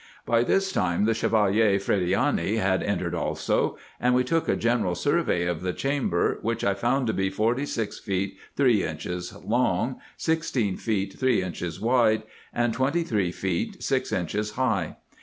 By this time the Chevalier Frediani had entered also ; and we took a general survey of the chamber, which I found to be forty six feet three inches long, sixteen feet three inches wide, and twenty three feet six inches high.